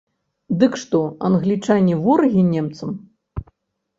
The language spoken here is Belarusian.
Дык што, англічане ворагі немцам?